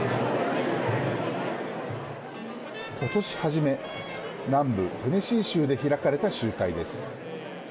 ことし初め南部テネシー州で開かれた集会です。